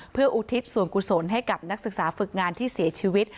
เพื่ออุทิศส่วนกุศลให้กับนักศึกษาฝึกงานที่เสียชีวิต